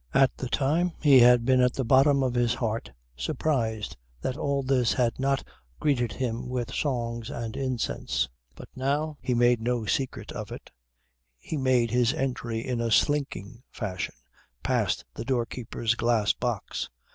At the time he had been at the bottom of his heart surprised that all this had not greeted him with songs and incense, but now (he made no secret of it) he made his entry in a slinking fashion past the doorkeeper's glass box.